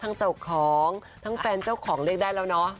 เจ้าของทั้งแฟนเจ้าของเลขได้แล้วเนาะ